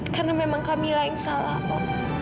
karena memang kamila yang salah om